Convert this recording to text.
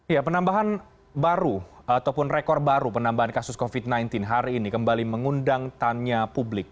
ya penambahan baru ataupun rekor baru penambahan kasus covid sembilan belas hari ini kembali mengundang tanya publik